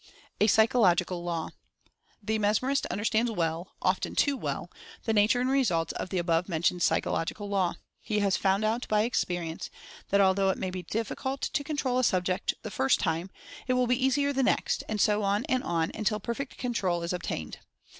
A PSYCHOLOGICAL LAW. The Mesmerist understands well, often too well, the nature and results of the above mentioned psychologi cal law. He has found out by experience that although it may be difficult to control a subject the first time, it will be easier the next; and so on and on, until perfect control is obtained.